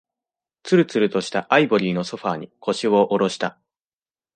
つるつるとしたアイボリーのソファーに、腰を下ろした。